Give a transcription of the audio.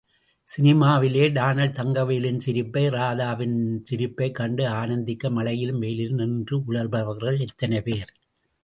சினிமாவிலே டணால் தங்கவேலுவின் சிரிப்பை, இராதாவின் சிரிப்பைக் கண்டு ஆனந்திக்க மழையிலும் வெய்யிலிலும் நின்று உழல்பவர்கள் எத்தனைப் பேர்!